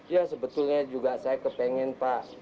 ya sebetulnya juga saya kepengen pak